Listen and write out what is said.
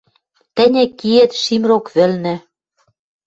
Тӹньӹ киэт шим рок вӹлнӹ